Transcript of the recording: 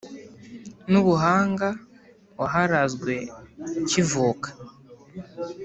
N'Ubuhanga waharazwe ukivuka